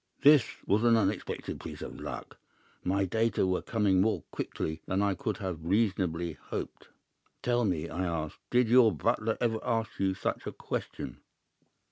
"This was an unexpected piece of luck. My data were coming more quickly than I could have reasonably hoped. "'Tell me,' I asked, 'did your butler ever ask you such a question?